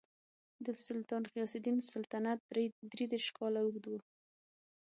د سلطان غیاث الدین سلطنت درې دېرش کاله اوږد و.